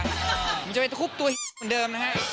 ผมจะไปทุบตัวแฮะเหมือนเดิมนะฮะ